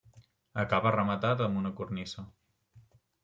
Acaba rematat amb una cornisa.